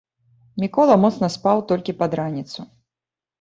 Мікола моцна спаў толькі пад раніцу.